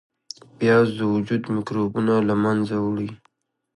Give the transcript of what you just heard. پیاز د وجود میکروبونه له منځه وړي